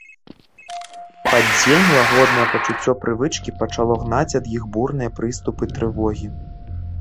Пад дзень лагоднае пачуццё прывычкі пачало гнаць ад іх бурныя прыступы трывогі.